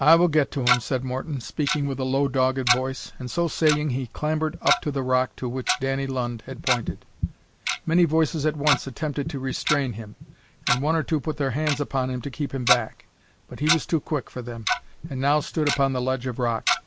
"I will get to him," said Morton, speaking with a low dogged voice, and so saying he clambered up to the rock to which Danny Lund had pointed. Many voices at once attempted to restrain him, and one or two put their hands upon him to keep him back, but he was too quick for them, and now stood upon the ledge of rock.